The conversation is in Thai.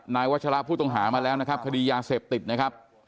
นายวัชราบพู่ตรงหามาแล้วคดียาเสพติดนะคะ